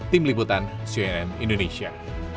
tim liputan cnn indonesia